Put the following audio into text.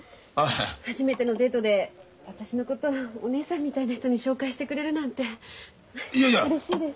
初めてのデートで私のことお姉さんみたいな人に紹介してくれるなんてうれしいです。